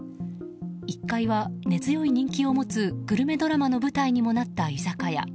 １階は根強い人気を持つグルメドラマの舞台にもなった居酒屋。